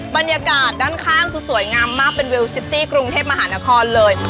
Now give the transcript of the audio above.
บรรยากาศด้านข้างคือสวยงามมากเป็นเวลซิตี้กรุงเทพมหานครเลย